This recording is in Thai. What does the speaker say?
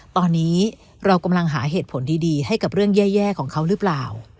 ตอนนี้เรากำลังหาเหตุผลดีให้กับเรื่องแย่ของเขาหรือเปล่า